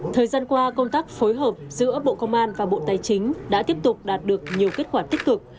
thời gian qua công tác phối hợp giữa bộ công an và bộ tài chính đã tiếp tục đạt được nhiều kết quả tích cực